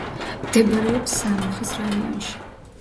მდებარეობს სამუხის რაიონში.